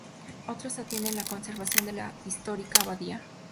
Otros atienden la conservación de la histórica abadía.